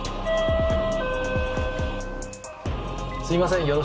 すいません